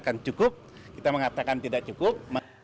kan cukup kita mengatakan tidak cukup